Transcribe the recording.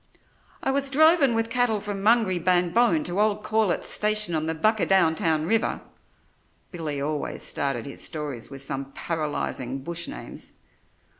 "I was drovin' with cattle from Mungrybanbone to old Corlett's station on the Buckadowntown River" (Billy always started his stories with some paralysing bush names).